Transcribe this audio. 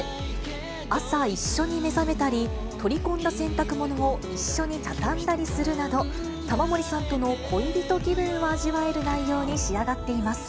朝一緒に目覚めたり、取り込んだ洗濯物を一緒に畳んだりするなど、玉森さんとの恋人気分を味わえる内容に仕上がっています。